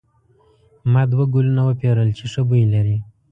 ما دوه ګلونه وپیرل چې ښه بوی لري.